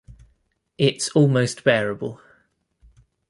It's almost bearable.